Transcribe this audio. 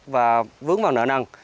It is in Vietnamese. và vướng vào nợ nần